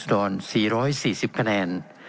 เป็นของสมาชิกสภาพภูมิแทนรัฐรนดร